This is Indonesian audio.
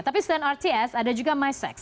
tapi setelah rts ada juga mysax